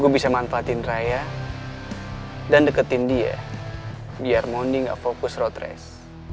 gue bisa manfaatin raya dan deketin dia biar wondi nggak fokus road race